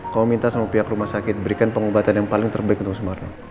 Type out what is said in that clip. kau minta sama pihak rumah sakit berikan pengobatan yang paling terbaik untuk sumarno